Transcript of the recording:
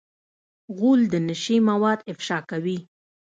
غول د نشې مواد افشا کوي.